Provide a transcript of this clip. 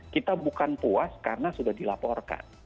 kita bukan puas karena sudah dilaporkan